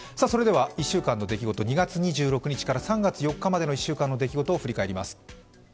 １週間の出来事、２月２６日から３月４日までを振り返ります。